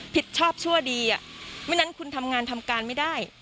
ผิดชอบชั่วดีอ่ะไม่งั้นคุณทำงานทำการไม่ได้